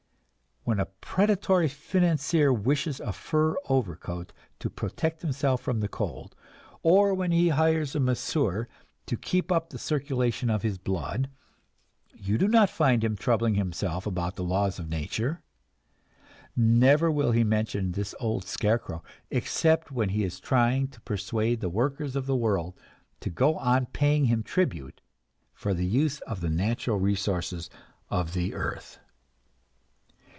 When a predatory financier wishes a fur overcoat to protect himself from the cold, or when he hires a masseur to keep up the circulation of his blood, you do not find him troubling himself about the laws of "nature"; never will he mention this old scarecrow, except when he is trying to persuade the workers of the world to go on paying him tribute for the use of the natural resources of the earth!